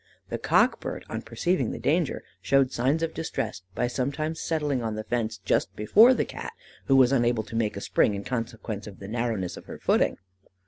The cock bird, on perceiving the danger, showed signs of distress by sometimes settling on the fence just before the Cat, who was unable to make a spring in consequence of the narrowness of her footing.